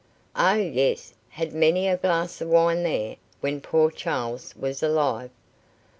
"Oh, yes; had many a glass of wine there, when poor Charles was alive."